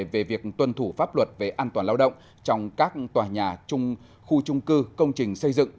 về việc tuân thủ pháp luật về an toàn lao động trong các tòa nhà khu trung cư công trình xây dựng